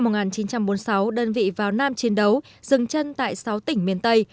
năm một nghìn chín trăm bốn mươi sáu đơn vị vào nam chiến đấu dừng chân tại sáu tỉnh miền tây